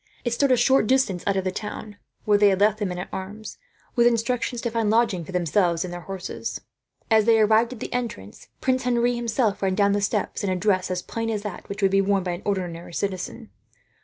It stood a short distance out of the town, where they had left the men at arms, with instructions to find lodgings for themselves and their horses. As they arrived at the entrance, Prince Henri himself ran down the steps, in a dress as plain as that which would be worn by an ordinary citizen.